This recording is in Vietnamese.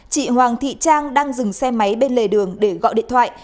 chị hoàng thị trang đang dừng xe máy bên lề đường để gọi điện thoại